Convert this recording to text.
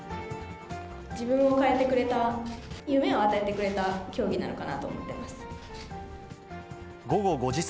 自分を変えてくれた、夢を与えてくれた競技なのかなと思ってます。